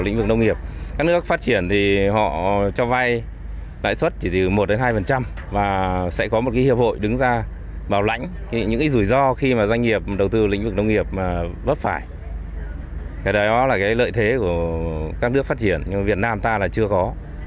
những rủi ro khi mà doanh nghiệp đầu tư lĩnh vực nông nghiệp bất phải cái đó là lợi thế của các nước phát triển nhưng việt nam ta là chưa có